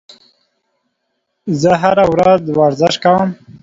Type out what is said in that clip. زه هره ورځ ورزش کوم